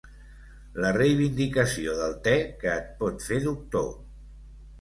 La reivindicació del te que et pot fer doctor.